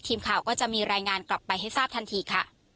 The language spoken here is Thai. ทีมข่าวก็จะมีรายงานกลับไปให้ทราบทันทีค่ะ